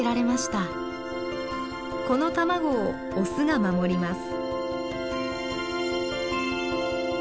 この卵をオスが守ります。